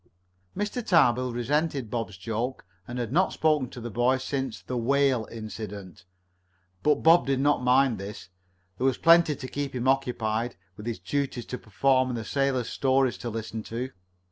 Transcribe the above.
Mr. Tarbill resented Bob's joke, and had not spoken to the boy since the "whale" incident. But Bob did not mind this. There was plenty to keep him occupied, with his duties to perform and sailors' stories to listen to.